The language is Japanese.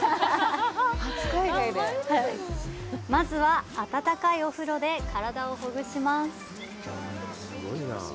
まずは、温かいお風呂で体をほぐします。